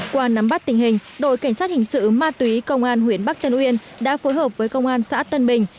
qua nắm bắt tình hình đội cảnh sát hình sự ma túy công an huyện bắc tân uyên đã phối hợp với công an xã tân bình